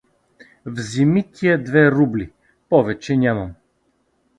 — Вземи тия две рубли, повече нямам.